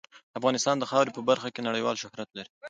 افغانستان د خاوره په برخه کې نړیوال شهرت لري.